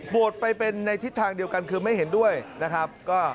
ไปเป็นในทิศทางเดียวกันคือไม่เห็นด้วยนะครับ